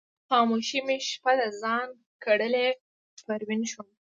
خاموشي مې شپه د ځان کړله پروین شوم